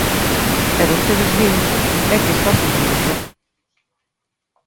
E vostedes din: é que está sen director.